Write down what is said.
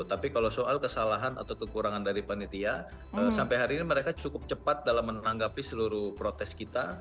tapi kalau soal kesalahan atau kekurangan dari panitia sampai hari ini mereka cukup cepat dalam menanggapi seluruh protes kita